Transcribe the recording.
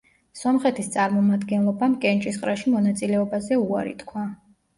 სომხეთის წარმომადგენლობამ კენჭისყრაში მონაწილეობაზე უარი თქვა.